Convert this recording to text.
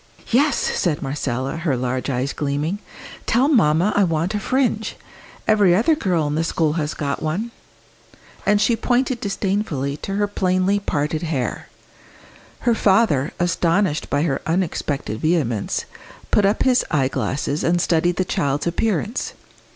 "Yes!" said Marcella, her large eyes gleaming; "tell mamma I want a 'fringe.' Every other girl in the school has got one." And she pointed disdainfully to her plainly parted hair. Her father, astonished by her unexpected vehemence, put up his eyeglass and studied the child's appearance.